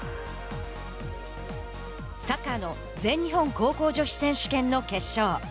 サッカーの全日本高校女子選手権の決勝。